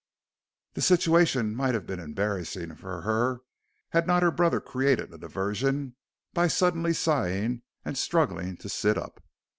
The situation might have been embarrassing for her had not her brother created a diversion by suddenly sighing and struggling to sit up.